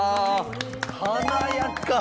華やか！